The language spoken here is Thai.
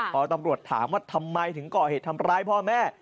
พอตำรวจถามว่าทำไมถึงก่อเหตุทำร้ายพ่อแม่